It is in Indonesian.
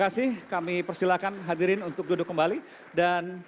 serta berdiri di gerakan